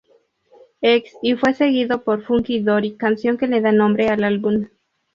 Ex" y fue seguido por Funky Dory, canción que le da nombre al álbum.